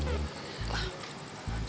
sebenernya gue masih pengen nahan lo disini bel